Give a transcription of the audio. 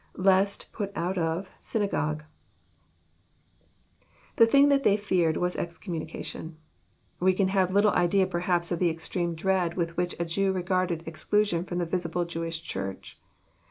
lLest.,.ptit out of.,.synagogueJ] The thing that they feared was excommunication. We can have little idea perhaps of the extreme dread with which a Jew regarded exclusion from the visible Jewish Church.